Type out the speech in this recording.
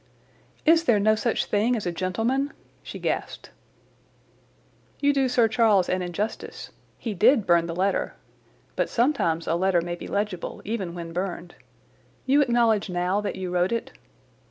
"Is there no such thing as a gentleman?" she gasped. "You do Sir Charles an injustice. He did burn the letter. But sometimes a letter may be legible even when burned. You acknowledge now that you wrote it?"